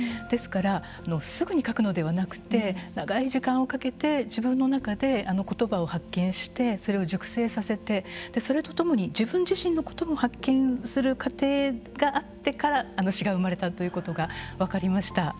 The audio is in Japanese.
ですからすぐに書くのではなくて長い時間をかけて自分の中であの言葉を発見してそれを熟成させてそれとともに自分自身のことも発見する過程があってからあの詩が生まれたということが分かりました。